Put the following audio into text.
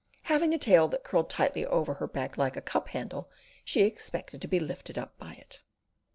Having a tail that curled tightly over her back like a cup handle, she expected to be lifted up by it.